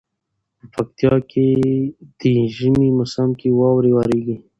پکتيا کي دي ژمي موسم کي واوري وريږي